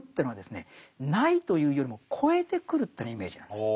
「ない」というよりも「超えてくる」というようなイメージなんです。